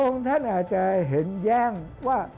องค์ท่านอาจจะเห็นแย่งว่า